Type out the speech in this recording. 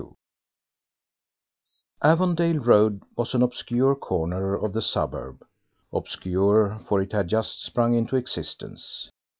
XXII Avondale Road was an obscure corner of the suburb obscure, for it had just sprung into existence.